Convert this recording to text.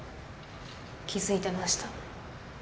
気付いてました。